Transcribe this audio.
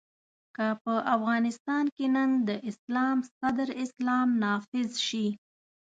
که په افغانستان کې نن د اسلام صدر اسلام نافذ شي.